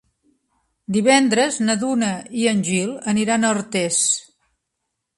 Divendres na Duna i en Gil aniran a Artés.